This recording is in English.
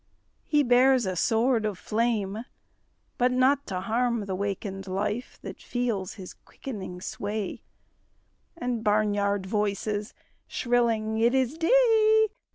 He bears a sword of flame but not to harm The wakened life that feels his quickening sway And barnyard voices shrilling "It is day!"